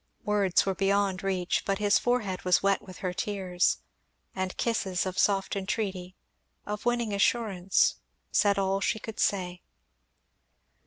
Words were beyond reach, but his forehead was wet with her tears; and kisses, of soft entreaty, of winning assurance, said all she could say.